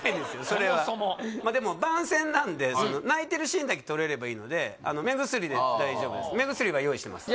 それはでも番宣なんで泣いてるシーンだけ撮れればいいので目薬は用意してます